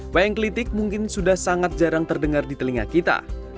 wayang kelitik mungkin sudah sangat jarang terdengar di telinga kita